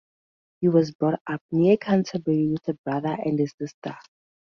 He was brought up near Canterbury with a brother and a sister.